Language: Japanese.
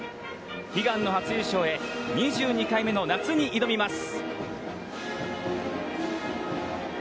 悲願の初優勝へ、２２回目の夏に挑みます。